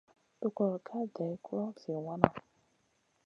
Tugor ka day guloʼo zi wana.